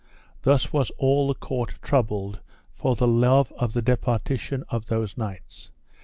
Thus was all the court troubled for the love of the departition of those knights.